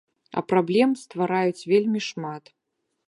А праблем ствараюць вельмі шмат.